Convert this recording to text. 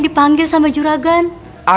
apakah ini berguna